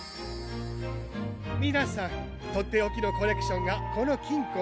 みなさんとっておきのコレクションがこのきんこに。